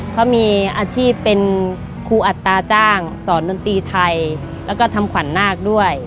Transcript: เขามีอาชีพเป็นครูอัตราจ้างสอนดนตรีไทยแล้วก็ทำขวัญนาคด้วย